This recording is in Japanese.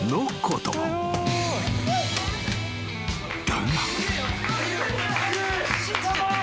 ［だが］